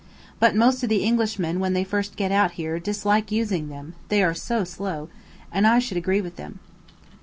But most of the Englishmen when they first get out here dislike using them, they are so slow; and I should agree with them.